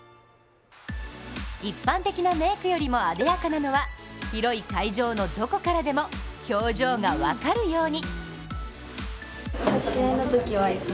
一般的なメークよりもあでやかなのは広い会場のどこからでも表情が分かるように。